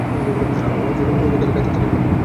অঝোরধারায় কাঁদতে থাকতেন।